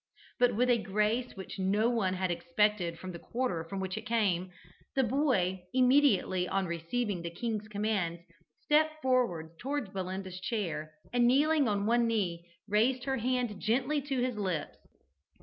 But with a grace which no one had expected from the quarter from which it came, the boy, immediately on receiving the king's commands, stepped forward towards Belinda's chair, and, kneeling on one knee, raised her hand gently to his lips.